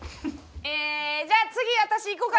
ええーじゃあ次私いこうかな！